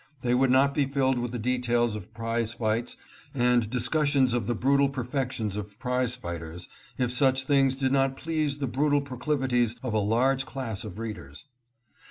They would not be filled with the details of prize fights, and discussions of the brutal perfections of prize fighters, if such things did not please the brutal proclivities of a large class of readers.